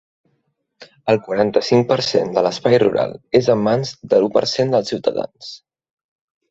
El quaranta-cinc per cent de l’espai rural és en mans de l’u per cent dels ciutadans.